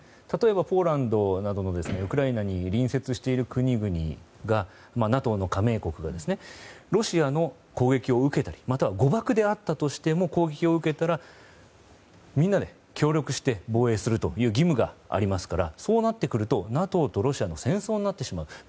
例えばポーランドなどのウクライナに隣接している国々がＮＡＴＯ加盟国がロシアの攻撃を受けたりまたは誤爆であったとしても攻撃を受けたらみんなで協力して防衛するという義務がありますからそうなってくるとＮＡＴＯとロシアの戦争になってしまう。